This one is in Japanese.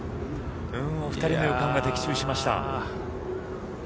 お２人の予感が的中しました。